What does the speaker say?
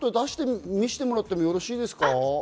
見せてもらってよろしいですか？